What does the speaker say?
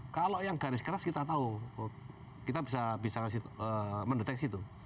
kalau yang garis keras kita tahu kita bisa mendeteksi itu